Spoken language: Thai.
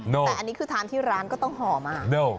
แต่อันนี้คือทานที่ร้านก็ต้องห่อมาก